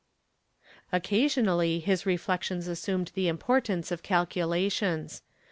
Occasionally his reflections assumed the importance of calculations.